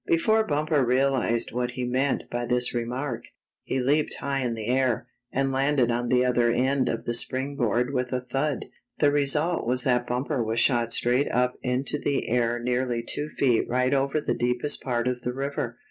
Before Bumper realized what he meant by this remark, he leaped high in the air, and landed on the other end of the spring board with a thud. The result was that Bumper was shot straight up into the air nearly two feet right over the deepest part of the river.